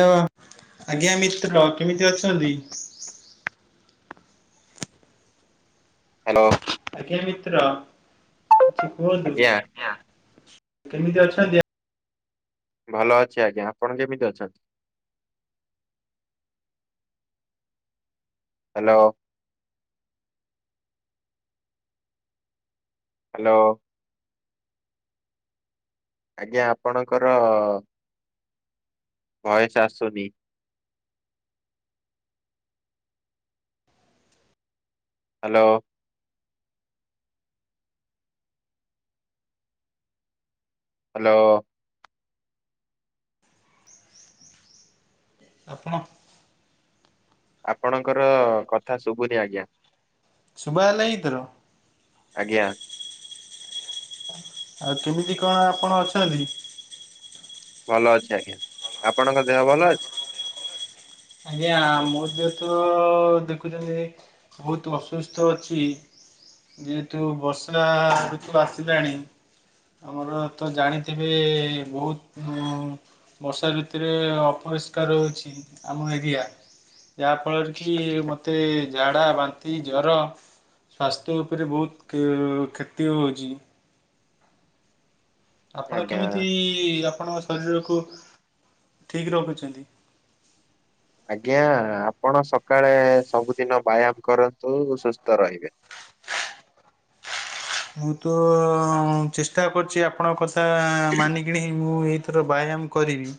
ଆଜ୍ଞା ଆଜ୍ଞା ମିତ୍ର କେମିତି ଅଛନ୍ତି? ହାଲୋ। ଆଜ୍ଞା ମିତ୍ର କୁହନ୍ତୁ ଆଜ୍ଞା କେମିତି ଅଛନ୍ତି? ଭଲ ଅଛି ଆଜ୍ଞା ଆପଣ କେମିତି ଅଛନ୍ତି? ହାଲୋ। ହାଲୋ। ଆଜ୍ଞା ଆପଣଙ୍କର ଭଏସ୍ ଆସୁନି ହାଲୋ। ହାଲୋ। ଆପଣ ଆପଣଙ୍କର କଥା ଶୁଭୁନି ଆଜ୍ଞା ଶୁଭା ଗଲା ଏଥର ଆଜ୍ଞା। ଆଉ କେମିତି କଣ ଆପଣ ଅଛନ୍ତି? ଭଲ ଅଛି ଆଜ୍ଞା ଆପଣଙ୍କ ଦେହ ଭଲ ଅଛି? ଆଜ୍ଞା ମୋ ଦେହତ ଦେଖୁଛନ୍ତି ବହୁତ ଅସୁସ୍ଥ ଅଛି ଯେହେତୁ ବର୍ଷା ଋତୁ ଆସିଲାଣି ଆମର ତ ଜାଣିଥିବେ ବହୁତ ବର୍ଷା ଋତୁରେ ଅପରିଷ୍କାର ରହୁଛି ଆମ ଏରିଆ ଯାହା ଫଳରେ କି ମୋତେ ଝାଡ଼ା ବାନ୍ତି ଜର ସ୍ୱାସ୍ଥ୍ୟ ଉପରେ ବହୁତ କ୍ଷତି ହେଉଛି। ଆପଣ ଆଜ୍ଞା କେମିତି ଆପଣଙ୍କ ଶରୀରକୁ ଠିକ ରଖୁଛନ୍ତି? ଆଜ୍ଞା ଆପଣ ସକାଳେ ସବୁଦିନ ବ୍ୟାୟାମ କରନ୍ତୁ ସୁସ୍ଥ ରହିବେ। ମୁଁ ତ ଚେଷ୍ଟା କରୁଛି ଆପଣଙ୍କ କଥା ମାନିକିଣି ମୁଁ ଏଇ ଏଥର ବ୍ୟାୟାମ କରିବି।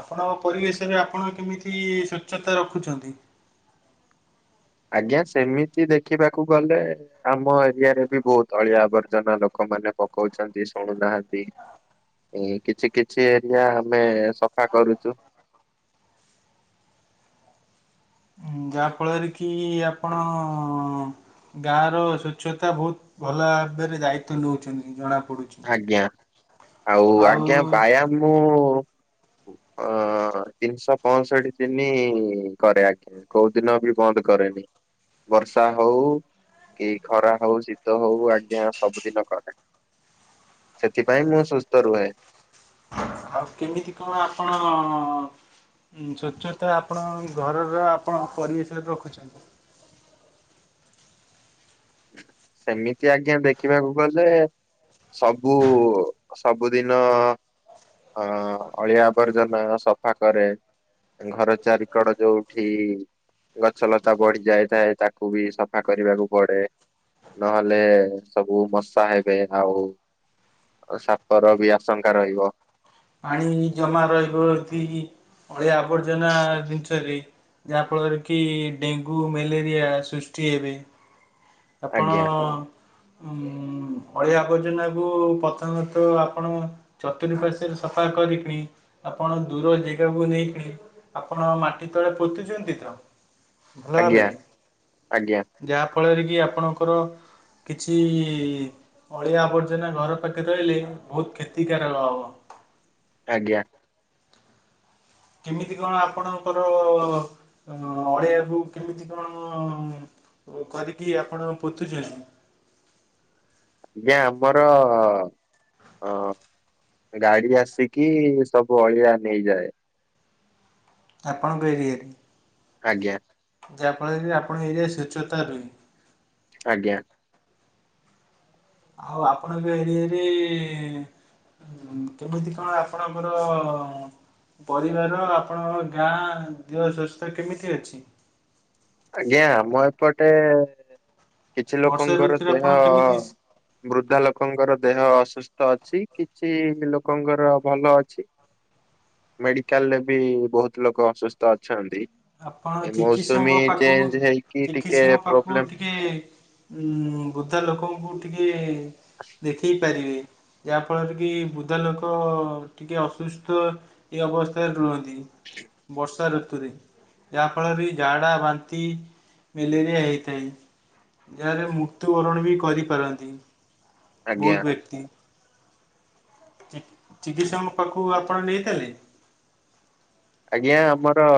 ଆପଣଙ୍କ ପରିବେଶରେ ଆପଣ କେମିତି ସ୍ୱଚ୍ଛତା ରଖୁଛନ୍ତି? ଆଜ୍ଞା ସେମିତି ଦେଖିବାକୁ ଗଲେ ଆମ ଏରିଆରେ ବି ବହୁତ ଅଳିଆ ଆବର୍ଜନା ଲୋକମାନେ ପକଉଛନ୍ତି ଶୁଣୁନାହାନ୍ତି। ଏ କିଛି କିଛି ଏରିଆ ଆମେ ସଫା କରୁଛୁ। ଯାହା ଫଳରେ କି ଆପଣ? ଗାଁ ର ସ୍ଵଚ୍ଛତା ବହୁତ ଭଲ ଭାବରେ ଦାୟିତ୍ଵ ନଉଛନ୍ତି ଜଣା ପଡୁଛି। ଆଜ୍ଞା ଆଉ ଆଜ୍ଞା ଆଉ ବ୍ୟାୟାମ ମୁଁ ଅ ତିନିଶହ ପଞ୍ଚଷଠି ଦିନି କରେ ଆଜ୍ଞା। କୋଉଉଦିନ ବି ବନ୍ଦ କରେନି। ବର୍ଷା ହଉ କି ଖରା ହଉ ଶୀତ ହଉ ଆଜ୍ଞା ସବୁଦିନ କରେ। ସେଥିପାଇଁ ମୁଁ ସୁସ୍ଥ ରୁହେ। ଆଉ କେମିତି କଣ ଆପଣ? ସ୍ୱଚ୍ଛତା ଆପଣ ଘରର ଆପଣ ପରିବେଶରେ ରଖୁଛନ୍ତି। ସେମିତି ଆଜ୍ଞା ଦେଖିବାକୁ ଗଲେ। ସବୁ ସବୁଦିନ ଅଁ ଅଳିଆ ଆବର୍ଜନା ସଫା କରେ। ଘର ଚାରିକଡ ଯୋଉଠି ଗଛ ଲତା ବଢି ଯାଇଥାଏ ତାକୁ ବି ସଫା କରିବାକୁ ପଡେ। ନହେଲେ ସବୁ ମଶା ହେବେ ଆଉ ସାପର ବି ଆଶଙ୍କା ରହିବ। ପାଣି ଜମା ରହିବ ଅଳିଆ ଆବର୍ଜନା ଜିନିଷରେ। ଯାହାଫଳରେ କି ଡେଙ୍ଗୁ ମ୍ୟାଲେରିଆ ସୃଷ୍ଟି ହେବେ। ଆପଣ। ଆଜ୍ଞା ଉଁ ଅଳିଆ ଆବର୍ଜନାକୁ ପ୍ରଥମତ ଆପଣ ଚତୁଃପାଶ୍ୱରେ ସଫା କରିକିଣି ଆପଣ ଦୂର ଜାଗାକୁ ନେଇକି ଆପଣ ମାଟି ତଳେ ପୋତୁଛନ୍ତି ତ। ଭଲ ଆଜ୍ଞା ଭାବରେ ଆଜ୍ଞା ଯାହା ଫଳରେ କି ଆପଣଙ୍କର କିଛି ଅଳିଆ ଆବର୍ଜନା ଘର ପାଖେ ରହିଲେ ବହୁତ କ୍ଷତିକାରକ ହବ। ଆଜ୍ଞା। କେମିତି କଣ ଆପଣଙ୍କର ଅଳିଆକୁ କେମିତି କଣ? ଓ କରିକି ଆପଣ ପୋତୁଛନ୍ତି। ଆଜ୍ଞା ଆମର ଅ ଗାଡି ଆସିକି ସବୁ ଅଳିଆ ନେଇଯାଏ। ଆପଣଙ୍କ ଏରିଆରେ ଆଜ୍ଞା। ଯାହାଫଳରେ ଆପଣ ଏରିଆ ସଚ୍ଛତା ରୁହେ। ଆଜ୍ଞା। ଆଉ ଆପଣଙ୍କ ଏରିଆରେ କେମିତି କଣ ଆପଣଙ୍କର? ପରିବାର ଆପଣଙ୍କ ଗାଁ ଦେହ ସ୍ୱାସ୍ଥ୍ୟ କେମିତି ଅଛି? ଆଜ୍ଞା ଆମ ଏପଟେ କିଛି ବର୍ଷା ଲୋକଙ୍କର ଋତୁରେ ଦେହ ଆପଣ କେମିତି ବୃଦ୍ଧା ଲୋକଙ୍କର ଦେହ ଅସୁସ୍ଥ ଅଛି କିଛି ଲୋକଙ୍କର ଭଲ ଅଛି। ହଉ [inaudible] ମେଡିକାଲରେ ବି ବହୁତ ଲୋକ ଅସୁସ୍ଥ ଅଛନ୍ତି। ଆପଣ ଏ ମୌସୁମୀ ଚିକିତ୍ସଙ୍କ ପାଖକୁ ଚେଞ୍ଜ ହେଇକି ଟିକେ ଚିକିତ୍ସଙ୍କ ପାଖକୁ ପ୍ରୋବ୍ଲେମ ଟିକେ ଉଁ ବୃଦ୍ଧା ଲୋକଙ୍କୁ ଟିକେ ଦେଖେଇ ପାରିବେ। ଯାହା ଫଳରେ କି ବୃଦ୍ଧା ଲୋକ ଟିକେ ଅସୁସ୍ଥ ଏ ଅବସ୍ଥାରେ ରୁହନ୍ତି। ବର୍ଷା ଋତୁରେ। ଯାହା ଫଳରେ ଝାଡ଼ା ବାନ୍ତି ମେଲେରିଆ ହେଇଥାଏ। ଯାହାରେ ମୃତ୍ୟୁବରଣ ବି କରିପାରନ୍ତି ଆଜ୍ଞା ବହୁତ ବ୍ୟକ୍ତି। ଚି ଚିକିତ୍ସଙ୍କ ପାଖକୁ ଆପଣ ନେଇଥିଲେ। ଆଜ୍ଞା ଆମର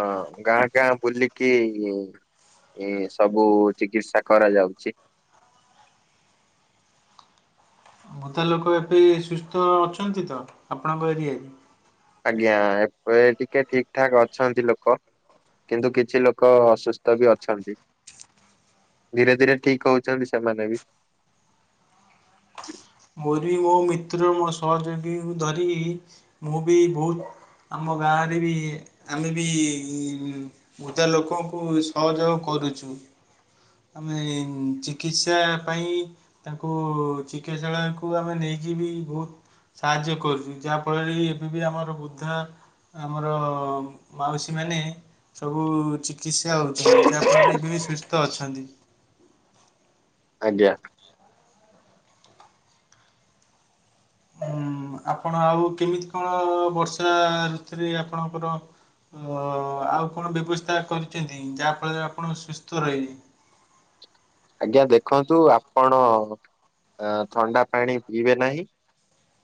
ଅଁ ଗାଁ ଗାଁ ବୁଲିକି। ଏଁ ସବୁ ଚିକିତ୍ସା କରାଯାଉଛି। ବୃଦ୍ଧା ଲୋକ ଏବେ ସୁସ୍ଥ ଅଛନ୍ତି ତ ଆପଣଙ୍କ ଏରିଆରେ। ଆଜ୍ଞା ଏ ପେ ଟିକେ ଠିକ ଠାକ ଅଛନ୍ତି ଲୋକ। କିନ୍ତୁ କିଛି ଲୋକ ଅସୁସ୍ଥ ବି ଅଛନ୍ତି। ଧୀରେ ଧୀରେ ଠିକ୍ ହଉଛନ୍ତି ସେମାନେ ବି। ମୋର ବି ମୋ ମିତ୍ର ମୋ ସହଯୋଗୀ ଙ୍କୁ ଧରି ମୁଁ ବି ବହୁତ। ଆମ ଗାଁରେ ବି ଆମେ ବି। ବୃଦ୍ଧା ଲୋକଙ୍କୁ ସହଯୋଗ କରୁଛୁ। ଆମେ ଚିକିତ୍ସା ପାଇଁ। ତାଙ୍କୁ ଚିକିତ୍ସାଳୟକୁ ଆମେ ନେଇକି ବି ବହୁତ। ସାହାଯ୍ୟ କରୁଛୁ ଯାହା ଫଳରେ କି ଏବେ ବି ଆମର ବୃଦ୍ଧା। ଆମର ମାଉସୀ ମାନେ। ସବୁ ଚିକିତ୍ସା ହଉଛନ୍ତି ଯାହା ଫଳରେ ଏବେ ବି ସୁସ୍ଥ ଅଛନ୍ତି। ଆଜ୍ଞା। ଉଁ ଆପଣ ଆଉ କେମିତି କଣ ବର୍ଷା ଋତୁରେ ଆପଣଙ୍କର। ମୁଁ ଅଁ ଆଉ କଣ ବ୍ୟବସ୍ଥା କରିଛନ୍ତି ଯାହାଫଳରେ ଆପଣ ସୁସ୍ଥ ରହିବେ। ଆଜ୍ଞା ଦେଖନ୍ତୁ ଆପଣ ଆଁ ଥଣ୍ଡା ପାଣି ପିଇବେ ନାହିଁ।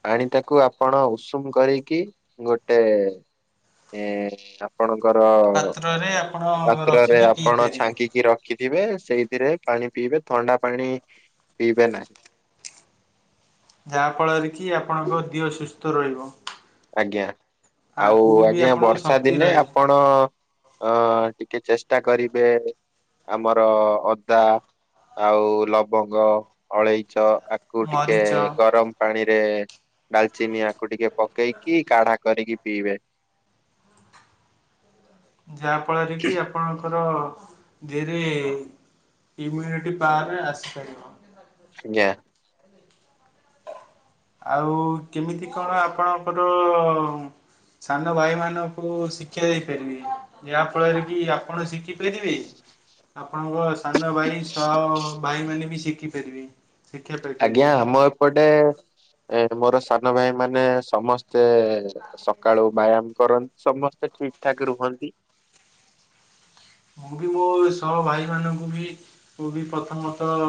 ପାଣି ତାକୁ ଆପଣ ଉଷୁମ କରିକି ଗୋଟେ। ଏଁ ଆପଣଙ୍କର ପାତ୍ରରେ ଆପଣ ପାତ୍ରରେ ରଖିକି ପିଇ ଆପଣ ପାରିବେ। ଛାଙ୍କିକି ରଖି। ରଖିଥିବେ ସେଇଥିରେ ପାଣି ପିଇବେ ଥଣ୍ଡା ପାଣି ପିଇବେ ନାହିଁ। ଯାହା ଫଳରେ କି ଆପଣଙ୍କ ଦିହ ସୁସ୍ଥ ରହିବ। ଆଜ୍ଞା ଆଉ ଆଗକୁ ବି ଆଜ୍ଞା ଆପଣଙ୍କ ବର୍ଷା ଶକ୍ତି ଦିନେ ରହିବ। ଆପଣ। ଅଁ ଟିକେ ଚେଷ୍ଟା କରିବେ। ଆମର ଅଦା ଆଉ ଲବଙ୍ଗ ଅଳେଇଚ ଆ ଆକୁ ଟିକେ ମରିଚ ଗରମ ପାଣି ରେ ଡାଲଚିନି ଆକୁ ଟିକେ ପକେଇକି କାଢା କରିକି। ପିଇବେ। ଯାଆ ଫଳରେ କି ଆପଣଙ୍କର। ର ଧୀଏରେ ଇମ୍ୟୁନିଟି ପାୱାର ଆସି ପାରିବ। ଆଜ୍ଞା। ଆଉ କେମିତି କଣ ଆପଣଙ୍କର। ସାନ ଭାଇ ମାନଙ୍କୁ ଶିକ୍ଷା ଦେଇ ପାରିବେ ଏହା ଫଳରେ କି ଆପଣ ଶିଖି। ପାରିବେ ଆପଣଙ୍କ ସାନ ଭାଇ ସହ ଭାଇ ମାନେ ବି ଶିଖି ପାରିବେ। ଆଜ୍ଞା ଆମ ଏପଟେ ଏ ମୋର ସାନ ଭାଇ ମାନେ ସମସ୍ ସ୍ତେ ସକାଳୁ ବ୍ୟାୟାମ କରନ୍ତି ସମସ୍ତେ ଠିକ ଠାକ ରୁହନ୍ତି। ମୁଁ ବି ମୋ ସହ ଭାଇ ମାନଙ୍କୁ ବି। ମୁଁ ବି ପ୍ରଥମତଃ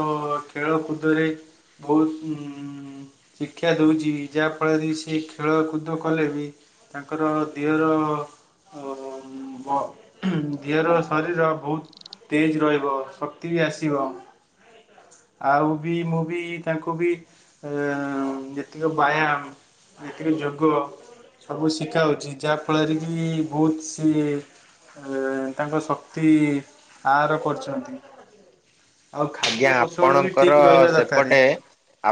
ଖେଳ କୁଦରେ ବହୁତ ଉଁ। ଶିକ୍ଷା ଦଉଛି ଯାହା ଫଳରେ ସିଏ ଖେଳକୁଦ କଲେ ବି। ତାଙ୍କର ଧିଅର ଅଁ ବ ଧିଅର। ଶରୀର ବହୁତ ତେଜ ରହିବ ଶକ୍ତି ବି ଆସିବ। ଆଉ ବି ମୁଁ ବି ତାଙ୍କୁ ବି ଏ ଆଁ ଯେତିକ ବାୟାମ। ଯେତିକ ଯୋଗ। ସବୁ ଶିଖା ହଉଛି ଯାହା ଫଳରେ କି ବହୁତ ସିଏ ଏ ତାଙ୍କ ଶ କ୍ତି ଆହାର କରୁଛନ୍ତି। ଆଉ ଆଜ୍ଞା ଖାଦ୍ୟ ପୋଷଣ ବି ଠିକ୍ ଆପଣଙ୍କର ରହିବା ଦରକାର ସେପଟେ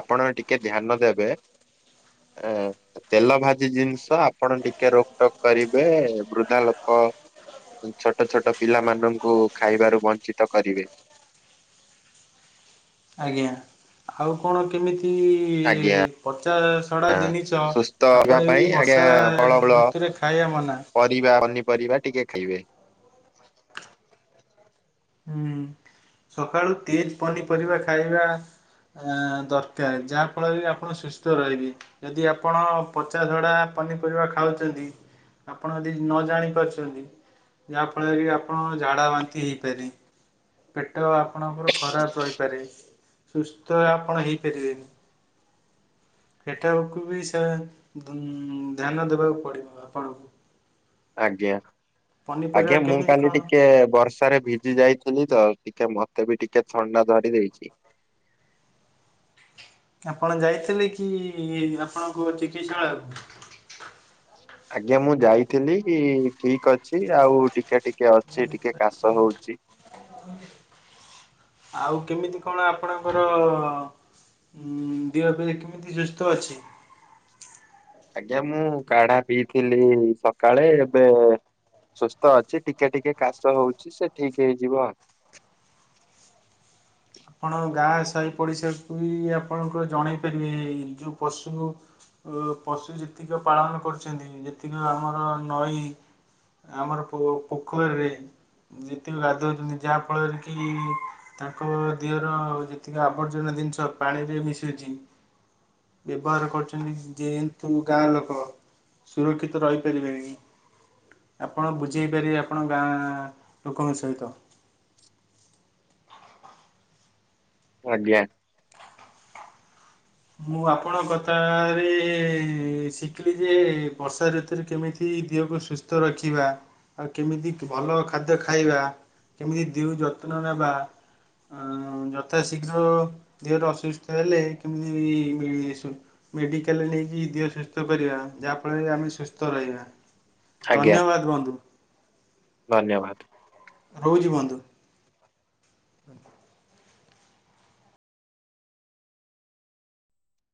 ଆପଣ ଟିକେ ଧ୍ୟାନ ଦେବେ। ଅଁ। ତେଲ ଭାଜି ଜିନିଷ ଆପଣ ଟିକେ ରୋକ୍ ଟକ୍ କରିବେ ବୃଦ୍ଧା ଲୋକ। ଛୋଟ ଛୋଟ ପିଲାମାନଙ୍କୁ ଖାଇବାରୁ ବଞ୍ଚିତ କରିବେ। ଆଜ୍ଞା ଆଉ କଣ କେମିତି ଆଜ୍ଞା। ପଚା ସଡ଼ା ଜିନିଷ ସୁସ୍ଥ ହେବା ଆପଣ ପାଇଁ ବି ଆଜ୍ଞା ବର୍ଷା ଋତୁରେ ଖାଇବା ମନା। ପିଇବା ପନିପରିବା ଟିକେ ଖାଇବେ। ହୁଁ ସକାଳୁ ତେଜ ପନିପରିବା ଖାଇବା ଆ ଦରକାର ଯାହା ଫଳରେ ବି ଆପଣ ସୁସ୍ଥ ରହିବେ। ଯଦି ଆପଣ ପଚା ସଡ଼ି ପନିପରିବା ଖାଉଚନ୍ତି ଆପଣ ଯଦି ନ ଜାଣିପାରୁଚନ୍ତି ଯାହା ଫଳରେ ଆପଣ ଝାଡ଼ା ବାନ୍ତି ହେଇପାରି। ପେଟ ଆପଣଙ୍କର ଖରାପ ରହିପାରେ ସୁସ୍ଥ ଆପଣ ହେଇପାରିବେନି। ଏଠାକୁ ବି ସା ଉଁ ଧ୍ୟାନ ଦେବାକୁ ପଡ଼ିବ ଆପଣଙ୍କୁ। ଆଜ୍ଞା ପନିପରିବା ଆଜ୍ଞା ମୁଁ କେମିତି କାଲି କଣ ଟିକେ ବର୍ଷ ହାରେ ଭିଜି ଯାଇଥିଲି ତ ଟିକେ ମତେ ବି ଟିକେ ଥଣ୍ଡା ଧରି ଦେଇଚି। ଆପଣ ଯାଇଥିଲେ କି ଆପଣଙ୍କ ଚିକିତ୍ସାଳୟ? ଆଜ୍ଞା ମୁଁ ଯାଇଥିଲି କି ଠିକ୍ ଅଛି ଆଉ ଟିକେ ଟିକେ ଅଛି ଟିକେ କାଶ ଚିକିତ୍ସାଳୟକୁ ହଉଚି। ଆଉ କେମିତି କଣ ଆପଣଙ୍କର ଉଁ ଦିହ ଏବେ କେମିତି ସୁସ୍ଥ ଅଛି? ଆଜ୍ଞା ମୁଁ କାଢ଼ା ପିଇଥିଲି ସକାଳେ ଏବେ ସୁସ୍ଥ ଅଛି ଟିକେ ଟିକେ କାଶ ହଉଚି ସେ ଠିକ୍ ହେଇଯିବ। କଣ ଗାଁ ସାହି ପଡି଼ଶାକୁ ବି ଆପଣଙ୍କ ଜଣେଇ ପାରିବେ ଏଇ ଯୋଉ ପଶୁ- ଅ ପଶୁ ଯେତିକ ପାଳନ କରୁଛନ୍ତି ଯେତିକି ଆମର ନଈ ଆମର ପୋ ପୋଖରୀରେ ଯେତିକ ଗାଧୋଉଚନ୍ତି ଯାହା ଫଳରେ କି ତାଙ୍କ ଦିହର ଯେତିକି ଆବର୍ଜନା ଜିନିଷ ପାଣିରେ ମିଶୁଚି। ବ୍ୟବହାର କରୁଚନ୍ତି ଯେହେତୁ ଗାଁ ଲୋକ। ସୁରକ୍ଷିତ ରହିପାରିବେନି। ଆପଣ ବୁଝେଇ ପାରିବେ ଆପଣ ଗାଁ ଲୋକଙ୍କ ସହିତ। ଆଜ୍ଞା। ମୁଁ ଆପଣ କଥାରେ ଶିକିଲି ଯେ ବର୍ଷା ଋତୁରେ କେମି ତି ଦେହକୁ ସୁସ୍ଥ ରଖିବା ଆଉ କେମିତି ଭଲ ଖାଦ୍ୟ ଖାଇବା। କେମିତି ଦିଉ ଯତ୍ନ ନେବା। ଅଁ ଯଥା ଶୀଘ୍ର ଦେହର ଅସୁସ୍ଥ ହେଲେ କେମିତି ମିଳିମିଶୁ ମେଡ଼ିକାଲ୍ ନେଇକି ଦେହ ସୁସ୍ଥ କରିବା ଯାହା ଫଳରେ ଆମେ ସୁସ୍ଥ ରହିବା। ଆଜ୍ଞା ଧନ୍ୟବାଦ ବନ୍ଧୁ ଧନ୍ୟବାଦ୍। ରହୁଚି ବନ୍ଧୁ।